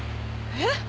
えっ？